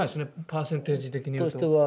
パーセンテージ的には。